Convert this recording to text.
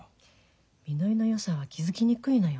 みのりのよさは気付きにくいのよ